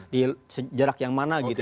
di jarak yang mana gitu